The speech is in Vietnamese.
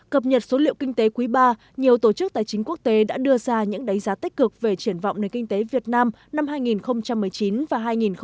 cập nhật số liệu kinh tế quý ba nhiều tổ chức tài chính quốc tế đã đưa ra những đánh giá tích cực về triển vọng nền kinh tế việt nam năm hai nghìn một mươi chín và hai nghìn hai mươi